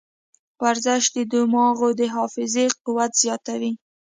ورزش د دماغو د حافظې قوت زیاتوي.